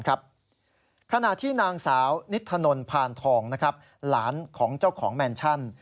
ขณะที่นางสาวนิทธนลพานทองหลานของเจ้าของแมนชั่น